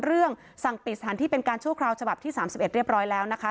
เรื่องสั่งปิดสถานที่เป็นการชั่วคราวฉบับที่๓๑เรียบร้อยแล้วนะคะ